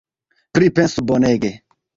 Pripensu bonege!